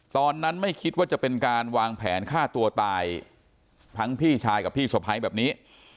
ตอนนั้นไม่คิดว่าจะเป็นการวางแผนฆ่าตัวตายทั้งพี่ชายกับพี่สะพ้ายแบบนี้